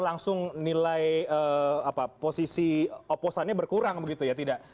langsung nilai posisi oposannya berkurang begitu ya